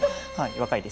若いです？